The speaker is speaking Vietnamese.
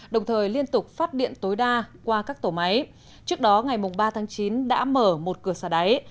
đồng thời liên tục phát điện tối đa qua các tổ máy trước đó ngày ba tháng chín đã mở một cửa xả đáy